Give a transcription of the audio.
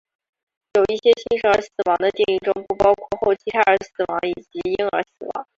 在一些新生儿死亡的定义中不包括后期胎儿死亡以及婴儿死亡。